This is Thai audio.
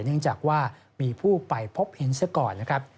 เนื่องจากว่ามีผู้ไปพบเห็นเสียก่อนนะครับ